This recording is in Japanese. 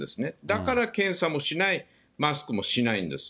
だから、検査もしない、マスクもしないんです。